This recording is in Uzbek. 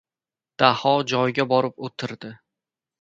Daho joyiga borib o‘tirdi.